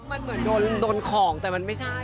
มันเหมือนโดนของแต่มันไม่ใช่